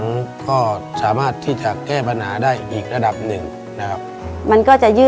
ในแคมเปญพิเศษเกมต่อชีวิตโรงเรียนของหนู